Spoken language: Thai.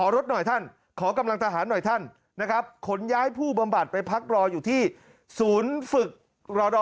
รอดอขาวชนไก่นะอยู่ละคุณเคย